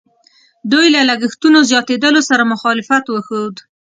دوی له لګښتونو زیاتېدلو سره مخالفت وښود.